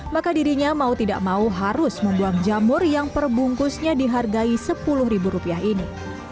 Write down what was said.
maka dirinya mau tidak mau harus membuang jamur yang perbungkusnya dihargai sepuluh rupiah ini